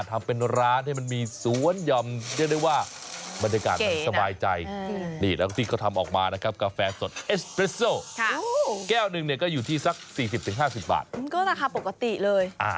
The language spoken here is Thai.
ยาวมันมีสวนยอมเรื่องได้ว่าบรรยากาศสบายใจได้แล้วก็ติดเขาทำออกมานะครับกาแฟสดเอสเปรสโซแก้วหนึ่งก็อยู่ที่สัก๔๐๕๐บาทก็นะคะปกติเลย